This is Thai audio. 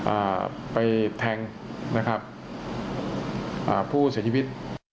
อ่าไปแทงนะครับอ่าผู้เสียชีวิต